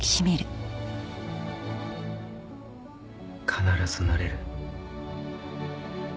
必ずなれる